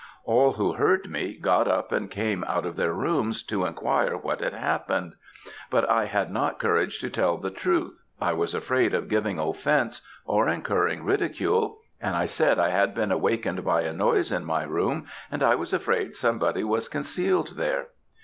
All who heard me, got up and came out of their rooms, to enquire what had happened; but I had not courage to tell the truth, I was afraid of giving offence, or incurring ridicule, and I said I had been awakened by a noise in my room, and I was afraid somebody was concealed there.